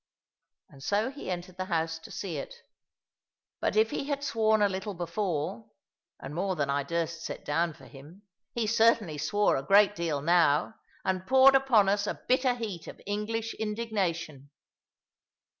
And so he entered the house to see it. But if he had sworn a little before (and more than I durst set down for him), he certainly swore a great deal now, and poured upon us a bitter heat of English indignation.